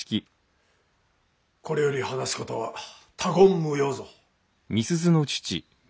これより話すことは他言無用ぞ。